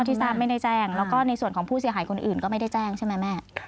ที่ทราบไม่ได้แจ้งแล้วก็ในส่วนของผู้เสียหายคนอื่นก็ไม่ได้แจ้งใช่ไหมแม่